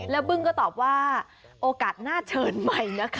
แล้วบึ้งก็ตอบว่าโอกาสน่าเชิญใหม่นะคะ